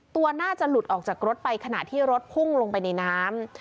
ตัวน่าจะหลุดออกจากรถไปขณะที่รถพุ่งลงไปในน้ำ